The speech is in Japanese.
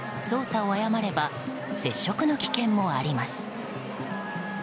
操作を誤れば接触の危険もあります。